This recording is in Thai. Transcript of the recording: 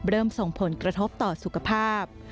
เริ่มส่งผลกระทบต่อสุขภาพ